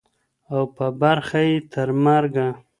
او په برخه یې ترمرګه